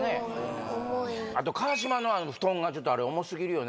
あと川島の布団がちょっと重すぎるよね。